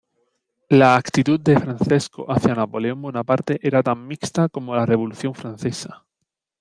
La actitud de Francesco hacia Napoleón Bonaparte era tan mixta —como la Revolución Francesa—.